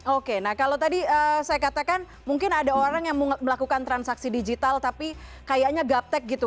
oke nah kalau tadi saya katakan mungkin ada orang yang melakukan transaksi digital tapi kayaknya gaptek gitu